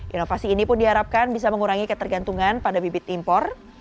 inovasi ini pun diharapkan bisa mengurangi ketergantungan pada bibit impor